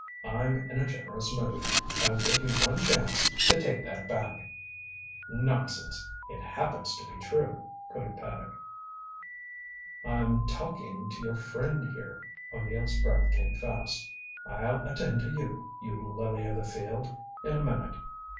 I'm in a generous mood. I'll give you one chance to take that back " "Nonsense. It happens to be true " put in Paddock. "I'm talking to your friend here." O'Neill's breath came fast. "I'll attend to you, you lily of the field, in a minute.